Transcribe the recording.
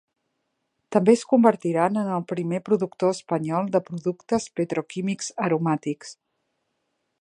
També es convertiran en el primer productor espanyol de productes petroquímics aromàtics.